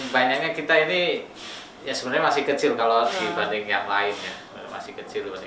banyaknya kita ini ya sebenarnya masih kecil kalau dibanding yang lain